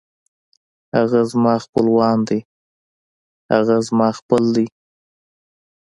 هغه زما خپلوان دی